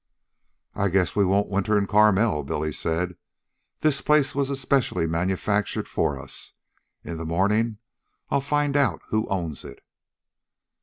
"I guess we won't winter in Carmel," Billy said. "This place was specially manufactured for us. In the morning I'll find out who owns it."